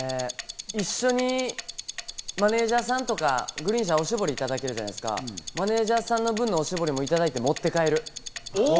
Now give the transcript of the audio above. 一緒にマネジャーさんとか、グリーン車でおしぼりいただけるじゃないですか、マネジャーさんの分のおしぼりももらって持って帰る。